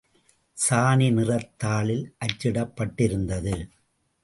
சாணி நிறத் தாளில் அச்சிடப் பட்டிருந்தது.